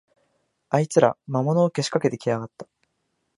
あいつら、魔物をけしかけてきやがった